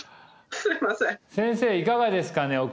先生いかがですかね？